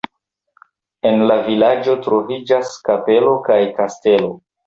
En la vilaĝo troviĝas kapelo kaj kastelo.